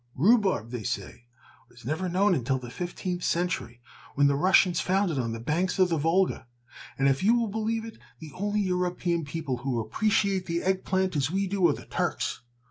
Rhubarb, they say, was never known until the fifteenth century, when the Russians found it on the banks of the Volga, and, if you will believe it, the only European people who appreciate the eggplant as we do are the Turks.